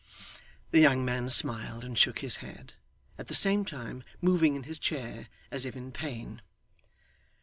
The young man smiled and shook his head; at the same time moving in his chair as if in pain.